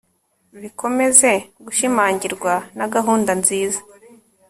bikomeze gushimangirwa na gahunda nziza